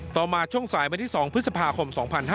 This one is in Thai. มาช่วงสายวันที่๒พฤษภาคม๒๕๕๙